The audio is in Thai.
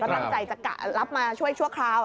ตั้งใจจะกะรับมาช่วยชั่วคราว